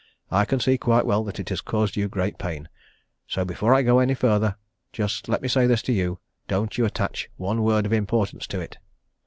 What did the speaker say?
I can see quite well that it has caused you great pain; so before I go any further, just let me say this to you don't you attach one word of importance to it!"